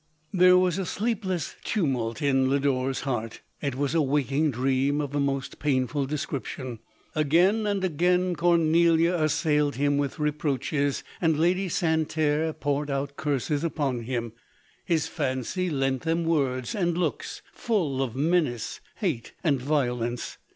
There was a sleepless tumult in Lodore's heart ; it was a waking dream of the most painful description. Again and again Cornelia assailed him with reproaches, and Lady Santerre poured out curses upon him ; his fancy lent them words and looks full of menace, hate, and violence.